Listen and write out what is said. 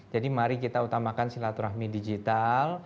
jadi mari kita utamakan seberapa beresikonya kalau terjadi mobilitas yang tinggi